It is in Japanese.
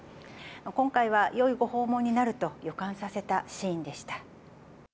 今回はよいご訪問になると予感させたシーンでした。